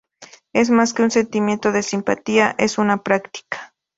Es más que un sentimiento de simpatía, es una práctica.